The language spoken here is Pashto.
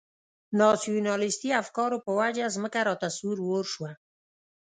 ناسیونالیستي افکارو په وجه مځکه راته سور اور شوه.